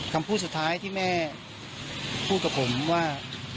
คำพูดสุดท้ายที่แม่พูดกับผมว่า